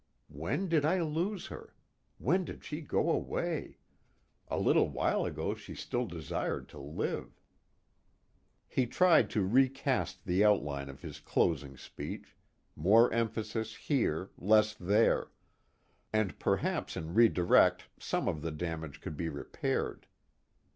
When did I lose her? When did she go away? A little while ago she still desired to live. He tried to recast the outline of his closing speech more emphasis here, less there. And perhaps in redirect some of the damage could be repaired.